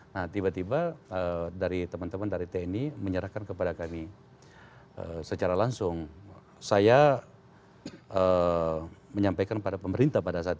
nah tiba tiba dari teman teman dari tni menyerahkan kepada kami secara langsung saya menyampaikan pada pemerintah pada saat itu